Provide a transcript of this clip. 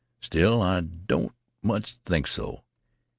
Still, I don't much think so.